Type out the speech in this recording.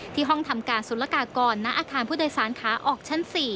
ห้องทำการศุลกากรณอาคารผู้โดยสารขาออกชั้น๔